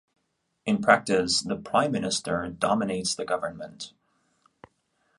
In practice, the Prime Minister dominates the government.